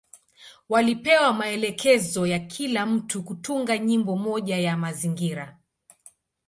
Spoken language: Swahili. Walipewa maelekezo ya kila mtu kutunga nyimbo moja ya mazingira.